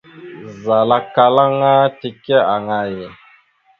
Zal akkal aŋa teke aŋay ?